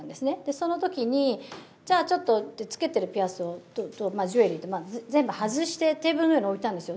そのときに、じゃあちょっとつけてるピアスとジュエリーを全部外してテーブルの上に置いたんですよ。